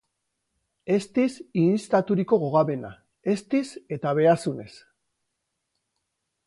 Eztiz ihinztaturiko gogamena; eztiz eta behazunez.